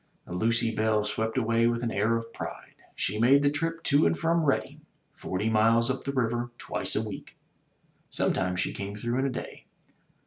The Lucy Belle swept away with an air of pride. She made the trip to and from Redding, forty miles up the river, twice a week. Sometimes she came through in a day.